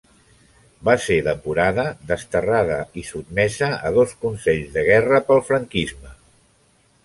Va ser depurada, desterrada i sotmesa a dos consells de guerra pel franquisme.